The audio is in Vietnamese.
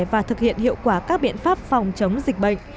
và thực hiện hiệu quả các biện pháp phòng chống dịch bệnh